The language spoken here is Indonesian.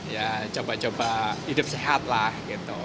ya coba coba hidup sehat lah gitu